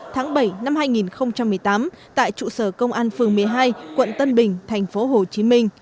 tháng bảy năm hai nghìn một mươi tám tại trụ sở công an phường một mươi hai quận tân bình thành phố hồ chí minh